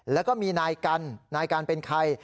แล้วก็มีนายกันนายกันเป็นใคร